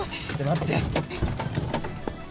待って。